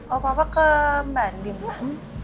oh papa ke mbak andin mbak